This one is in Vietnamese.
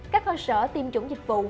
các kho sở tiêm chủng dịch vụ